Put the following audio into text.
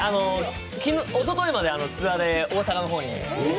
おとといまでツアーで大阪の方に。